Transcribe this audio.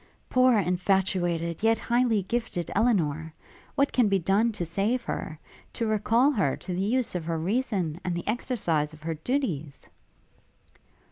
poor infatuated, yet highly gifted Elinor! what can be done to save her; to recall her to the use of her reason, and the exercise of her duties?'